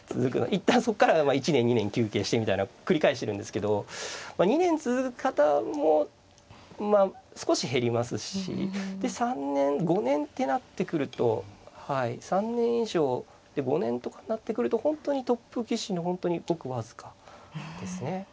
一旦そっからが１年２年休憩してみたいな繰り返してるんですけど２年続く方も少し減りますしで３年５年ってなってくると３年以上５年とかなってくると本当にトップ棋士のごく僅かですね。